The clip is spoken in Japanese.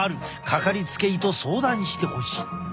掛かりつけ医と相談してほしい。